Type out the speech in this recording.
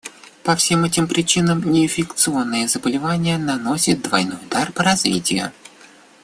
По всем этим причинам неинфекционные заболевания наносят двойной удар по развитию.